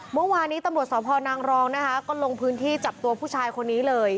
เมื่อวานี้ตำรวจสพนางรองนะคะก็ลงพื้นที่จับตัวผู้ชายคนนี้เลย